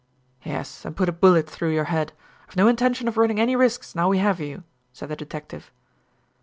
"Yes, and put a bullet through your head. I've no intention of running any risks now we have you," said the detective.